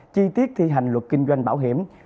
chi tiết thi hành luật kinh doanh bảo hiểm